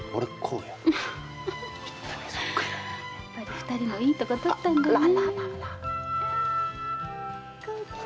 二人のいいとこ取ったんだねえ。